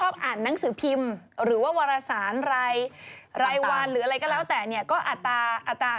ไม่รู้เลยอ่ะอ่ะ